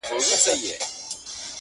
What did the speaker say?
له سدیو دا یوه خبره کېږي،